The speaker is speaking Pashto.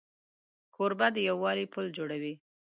کوربه د یووالي پل جوړوي.